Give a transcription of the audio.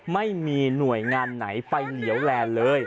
ไม่มีหน่วยงานไหนไปเหลียวแลนเลย